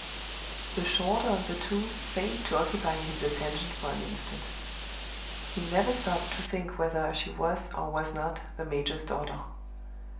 The shorter of the two failed to occupy his attention for an instant; he never stopped to think whether she was or was not the major's daughter.